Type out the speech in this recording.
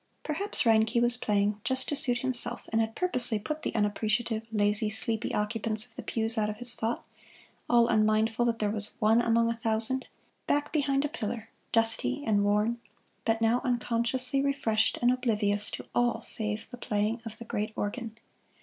Perhaps Reinke was playing just to suit himself, and had purposely put the unappreciative, lazy, sleepy occupants of the pews out of his thought, all unmindful that there was one among a thousand, back behind a pillar, dusty and worn, but now unconsciously refreshed and oblivious to all save the playing of the great organ.